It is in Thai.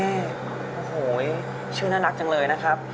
โอ้โหชื่อน่ารักจังเลยนะครับ